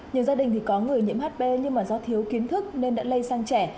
nhiều gia đình thì có người nhiễm hp nhưng mà do thiếu kiến thức nên đã lây sang trẻ